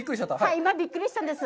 今、びっくりしたんです。